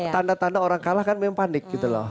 tanda tanda orang kalah kan memang panik